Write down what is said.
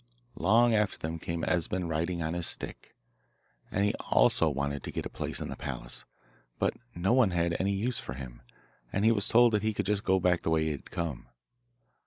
Long after them came Esben riding on his stick, and he also wanted to get a place in the palace, but no one had any use for him, and he was told that he could just go back the way he had come.